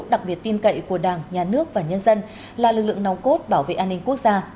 đặc biệt tin cậy của đảng nhà nước và nhân dân là lực lượng nòng cốt bảo vệ an ninh quốc gia